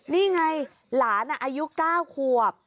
นี่ไงหลานอายุ๙ขวบ